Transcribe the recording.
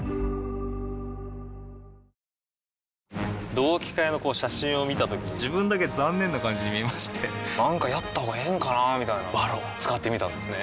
同期会の写真を見たときに自分だけ残念な感じに見えましてなんかやったほうがええんかなーみたいな「ＶＡＲＯＮ」使ってみたんですね